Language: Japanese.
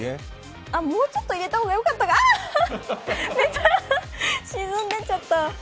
もうちょっと入れた方がよかったかなあ、沈んでっちゃった。